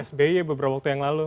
sby beberapa waktu yang lalu